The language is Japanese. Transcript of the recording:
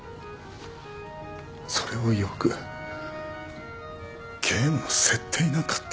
それをよくゲームの設定になんかできるな蔦。